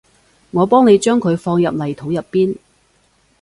我幫你將佢放入泥土入邊